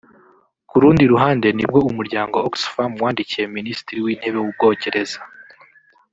Ku rundi ruhande ni bwo Umuryango Oxfam wandikiye Minisitiri w’Intebe w’ u Bwongereza